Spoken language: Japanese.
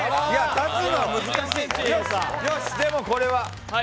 立つのは難しい。